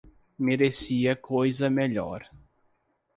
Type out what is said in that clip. Merecia coisa melhor